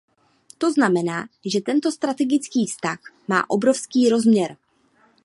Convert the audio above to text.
To znamená, že tento strategický vztah má obrovský rozměr.